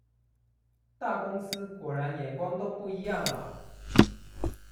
大公司果然眼光都不一樣啊！